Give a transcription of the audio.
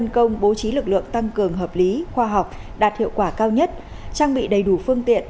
công bố trí lực lượng tăng cường hợp lý khoa học đạt hiệu quả cao nhất trang bị đầy đủ phương tiện